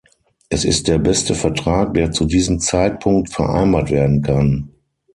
Es ist der beste Vertrag, der zu diesem Zeitpunkt vereinbart werden kann.